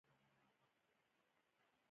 لمبې یې لا ډېرې نه وزياتوي.